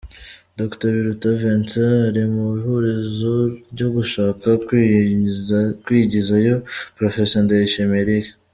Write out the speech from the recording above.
Dr. Biruta Vincent ari mu ihurizo ryo gushaka kwigizayo Professeur Ndayishimiye Eric